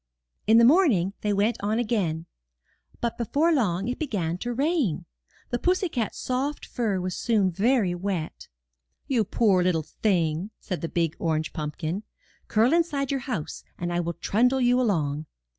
In the morning they went on again, but before 354 IN THE NURSERY long it began to rain. The pussy cat's soft fur was soon very wet. ''You poor little thing/' said the big orange pump kin; ''curl inside your house and I will trundle you along."